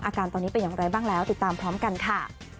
อาการตอนนี้เป็นอย่างไรบ้างแล้วติดตามพร้อมกันค่ะ